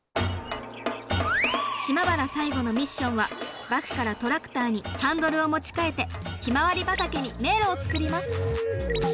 島原最後のミッションはバスからトラクターにハンドルを持ち替えてひまわり畑に迷路を作ります！